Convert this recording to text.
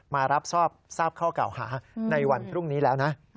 มารับทราบข้อเก่าหาในวันพรุ่งนี้แล้วนะ